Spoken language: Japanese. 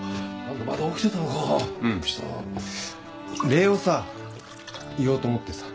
礼をさ言おうと思ってさ。